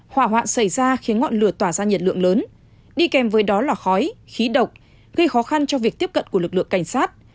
hỏa hoạn xảy ra khiến ngọn lửa tỏa ra nhiệt lượng lớn đi kèm với đó là khói khí độc gây khó khăn cho việc tiếp cận của lực lượng cảnh sát